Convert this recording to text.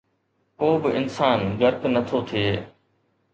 ڪو به انسان غرق نٿو ٿئي